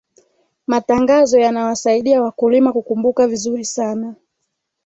matangazo yanawasaidia wakulima kukumbuka vizuri sana